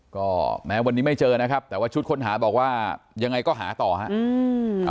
ก็แม้วันนี้ไม่เจอนะครับแต่ว่าชุดค้นหาบอกว่ายังไงก็หาต่อฮะอืม